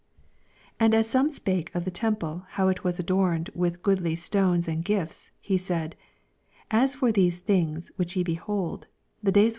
6 And as some spake of the temple, how it was adorned with goodly stones and gifts, he said, these things shall come to pass